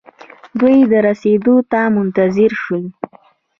دوئ يې رسېدو ته منتظر شول.